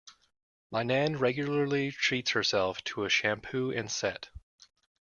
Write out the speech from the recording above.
My nan regularly treats herself to a shampoo and set.